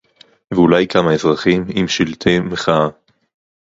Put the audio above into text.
ואולי כמה אזרחים עם שלטי מחאה